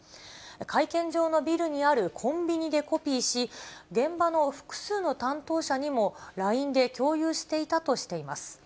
会見場のビルにあるコンビニでコピーし、現場の複数の担当者にもＬＩＮＥで共有していたとしています。